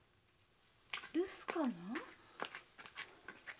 留守かな。